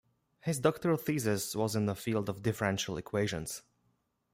His doctoral thesis was in the field of differential equations.